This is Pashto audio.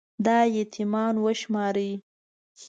دا يـتـيـمـان وشمارئ